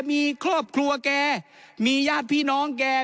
มีครอบครัวแกมีญาติพี่น้องแก